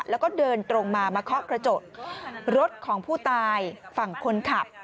แล้วก็เดินตรงมามาเคาะกระจกรถของผู้ตายฝั่งคนขับ